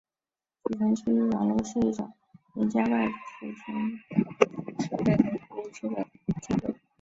储存区域网络是一种连接外接存储设备和服务器的架构。